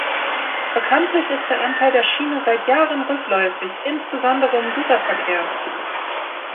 Bekanntlich ist der Anteil der Schiene seit Jahren rückläufig, insbesondere im Güterverkehr.